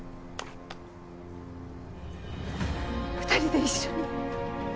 ２人で一緒に。